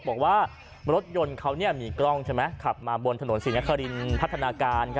บอกว่ารถยนต์เขามีกล้องใช่ไหมขับมาบนถนนศรีนครินพัฒนาการ